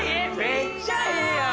めっちゃいいやん！